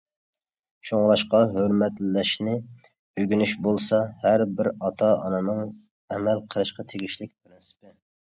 شۇڭلاشقا ھۆرمەتلەشنى ئۆگىنىش بولسا ھەر بىر ئاتا-ئانىنىڭ ئەمەل قىلىشقا تېگىشلىك پىرىنسىپى.